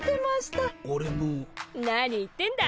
何言ってんだ。